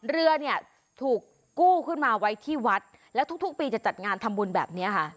เรือเนี่ยถูกกู้ขึ้นมาไว้ที่วัดแล้วทุกปีจะจัดงานทำบุญแบบนี้ค่ะ